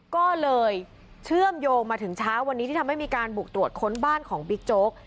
ก็เลยเชื่อมโยงมาถึงเช้าวันนี้ที่ทำให้มีการบุกตรวจค้นบ้านของบิ๊กโจ๊ก